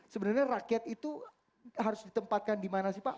sebenarnya rakyat itu harus ditempatkan di mana sih pak